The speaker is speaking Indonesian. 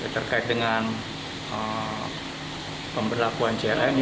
terkait dengan pemberlakuan clm